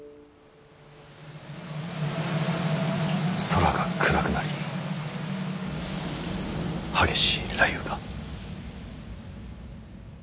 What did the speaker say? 空が暗くなり激しい雷雨が。